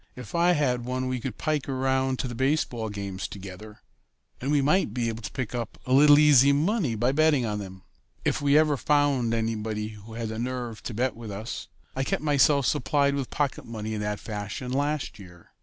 "If I had one we could pike around to the baseball games together, and we might be able to pick up a little easy money by betting on them if we ever found anybody who had the nerve to bet with us. I kept myself supplied with pocket money in that fashion last year.